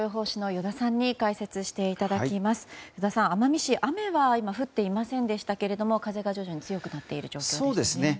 依田さん、奄美市は雨は降っていませんでしたが風が徐々に強くなっている状況ですね。